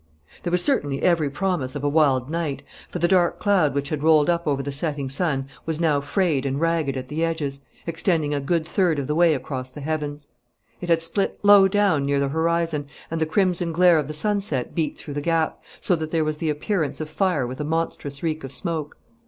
There was certainly every promise of a wild night, for the dark cloud which had rolled up over the setting sun was now frayed and ragged at the edges, extending a good third of the way across the heavens. It had split low down near the horizon, and the crimson glare of the sunset beat through the gap, so that there was the appearance of fire with a monstrous reek of smoke.